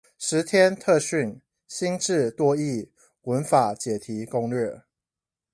十天特訓！新制多益文法解題攻略